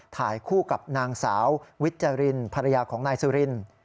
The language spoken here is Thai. ถ่ายคู่กับนางสาววิจารินภรรยาของนายสุริน